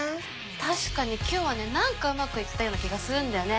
確かに今日はねなんかうまくいったような気がするんだよね。